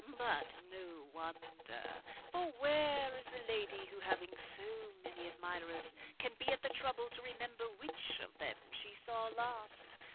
but no wonder; for where is the lady who having so many admirers, can be at the trouble to remember which of them she saw last?